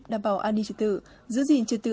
đảm bảo an ninh trật tự giữ gìn trật tự